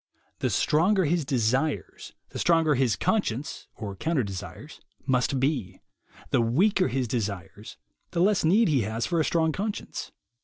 The stronger his desires, the stronger his conscience, or counter desires, must be ; the weaker his desires, the less need he has for a strong conscience.